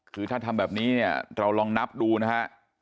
คือถ้าทำแบบนี้เนี่ยเราลองนับดูนะฮะ